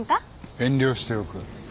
遠慮しておく。